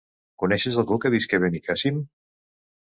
Coneixes algú que visqui a Benicàssim?